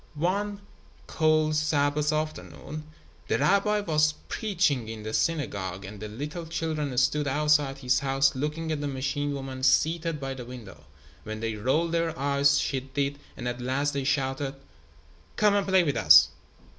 One cold Sabbath afternoon, the rabbi was preaching in the synagogue and the little children stood outside his house looking at the machine woman seated by the window. When they rolled their eyes she did, and at last they shouted: "Come and play with us."